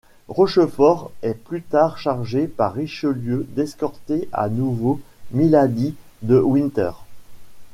Rochefort est plus tard chargé par Richelieu d'escorter à nouveau Milady de Winter.